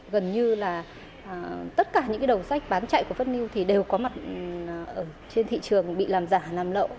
gần như là tất cả những đầu sách bán chạy của phất news thì đều có mặt ở trên thị trường bị làm giả làm lậu